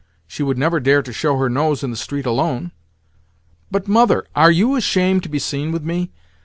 She would never dare to show her nose in the street alone." "But, mother—" "Are you ashamed to be seen with me?